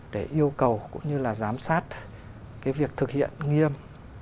để yêu cầu cũng như là giám sát cái việc thực hiện nghiêm